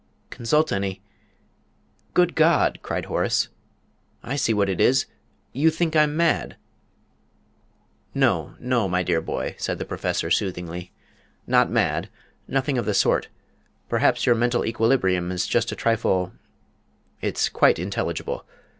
"Consult any Good God!" cried Horace; "I see what it is you think I'm mad!" "No, no, my dear boy," said the Professor, soothingly, "not mad nothing of the sort; perhaps your mental equilibrium is just a trifle it's quite intelligible.